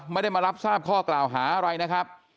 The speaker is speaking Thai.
ไม่ได้มารับทราบข้อกล่าวหาอะไรนะครับ